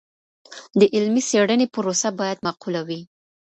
د علمي څیړني پروسه باید معقوله وي.